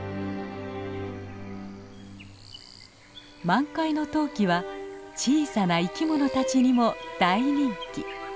満開のトウキは小さな生き物たちにも大人気。